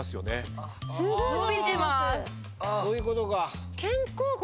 こういうことか。